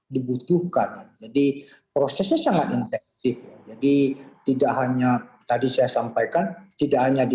dibutuhkan jadi prosesnya sangat intensif jadi tidak hanya tadi saya sampaikan tidak hanya di